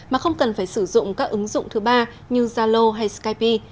mà không cần phải sử dụng các ứng dụng thứ ba như zalo hay skype